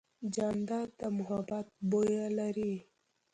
جانداد د محبت بویه لري.